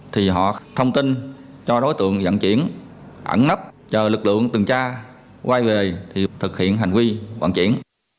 thì họ thông tin cho đối tượng dẫn chuyển ẩn nấp chờ lực lượng từng cha quay về thì thực hiện hành vi vận chuyển